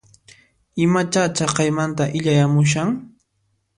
Imacha chaqaymanta illayamushan?